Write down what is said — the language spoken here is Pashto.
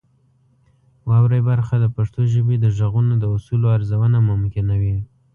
واورئ برخه د پښتو ژبې د غږونو د اصولو ارزونه ممکنوي.